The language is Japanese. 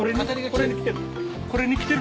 これにきてる？